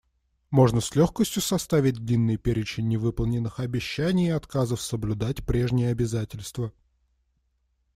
Можно с легкостью составить длинный перечень невыполненных обещаний и отказов соблюдать прежние обязательства.